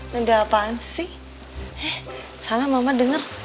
benda apaan sih eh salah mama dengar